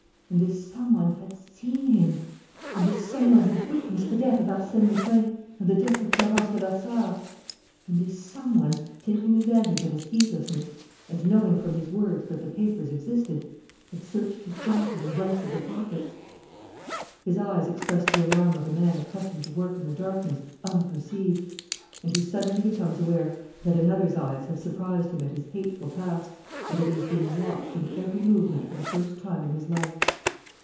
And this some one had seen him! And this some one had witnessed the death of Arsène Lupin and the death of Florence Levasseur! And this some one, taking advantage of his heedlessness and knowing from his words that the papers existed, had searched his jacket and rifled the pockets! His eyes expressed the alarm of a man accustomed to work in the darkness unperceived, and who suddenly becomes aware that another's eyes have surprised him at his hateful task and that he is being watched in every movement for the first time in his life.